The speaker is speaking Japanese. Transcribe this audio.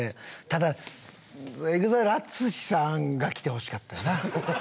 ただ、ＥＸＩＬＥＡＴＳＵＳＨＩさんが来てほしかったかな。